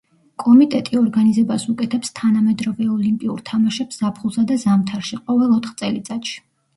კომიტეტი ორგანიზებას უკეთებს თანამედროვე ოლიმპიურ თამაშებს ზაფხულსა და ზამთარში, ყოველ ოთხ წელიწადში.